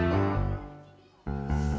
nih si tati